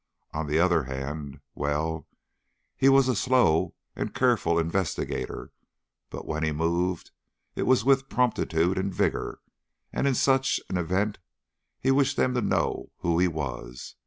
On the other hand well, he was a slow and careful investigator, but when he moved, it was with promptitude and vigor, and in such an event he wished them to know who he was.